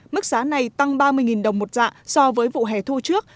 mức giá này tăng ba mươi đồng một dạ so với vụ hẻ thu trước